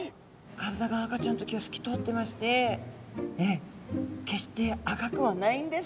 体が赤ちゃんの時はすき通ってまして決して赤くはないんですね